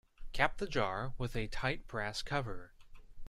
Cap the jar with a tight brass cover.